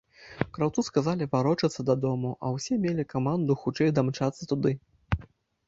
Краўцу сказалі варочацца дадому, а ўсе мелі каманду хутчэй дамчацца туды.